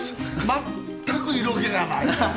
全く色気がない。